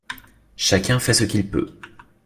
Chacun fait ce qu’il peut.